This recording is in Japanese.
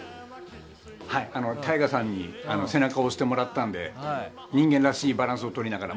ＴＡＩＧＡさんに背中を押してもらったので人間らしいバランスを取りながら。